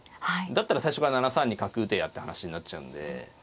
だったら最初から７三に角打てやって話になっちゃうんで。